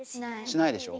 しないでしょ？